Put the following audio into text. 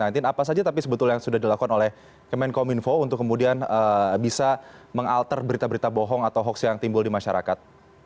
apa saja tapi sebetulnya yang sudah dilakukan oleh kemenkominfo untuk kemudian bisa mengalter berita berita bohong atau hoax yang timbul di masyarakat